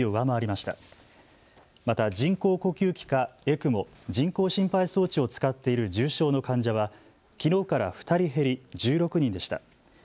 また人工呼吸器かＥＣＭＯ・人工心肺装置を使っている重症の患者はきのうから２人減り１６人でした。